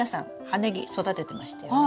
葉ネギ育ててましたよね？